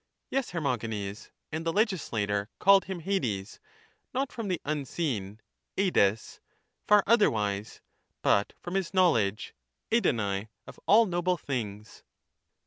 Yes, Hermogenes, and the legislator called him Hades, not from the unseen (asidt^) — far otherwise, but from his knowledge (tldtvai) of all noble things.